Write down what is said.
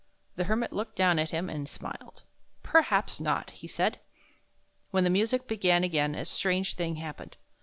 The Hermit looked down at him and smiled. " Perhaps not," he said. When the music began again, a strange thing hap pened.